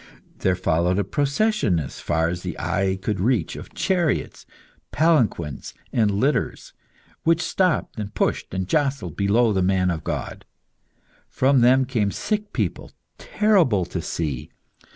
There followed a procession, as far as the eye could reach, of chariots, palanquins, and litters, which stopped and pushed and jostled below the man of God. From them came sick people terrible to see.